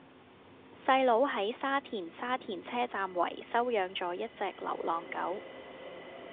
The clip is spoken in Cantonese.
細佬喺沙田沙田車站圍收養左一隻流浪狗